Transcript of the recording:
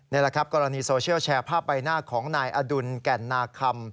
นี่แหละครับกรณีโซเชียลแชร์ภาพใบหน้าของนายอดุลแก่นนาคำ